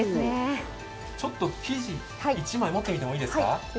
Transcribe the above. ちょっと生地を１枚持ってみてもいいですか。